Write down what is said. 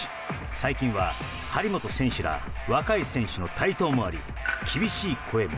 最近は、張本選手ら若い選手の台頭もあり厳しい声も。